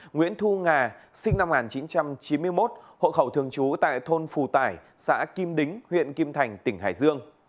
nguyễn thu ngà sinh năm một nghìn chín trăm chín mươi một hộ khẩu thường trú tại thôn phù tải xã kim đính huyện kim thành tỉnh hải dương